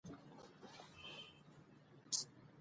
افغانستان کې د هېواد مرکز د راتلونکي لپاره ارزښت لري.